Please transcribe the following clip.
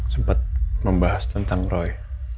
sempat membahas tentang rory